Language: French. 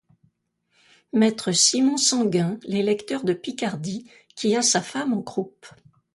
Maître Simon Sanguin, l'électeur de Picardie, qui a sa femme en croupe.